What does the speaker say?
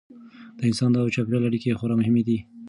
د انسان او چاپیریال اړیکې خورا مهمې دي.